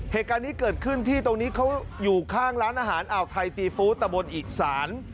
เหตุการณ์นี้เกิดขึ้นที่ตรงนี้เขาอยู่ข้างร้านอาหารอ่าวไทยซีฟู้ดตะบนอิสาน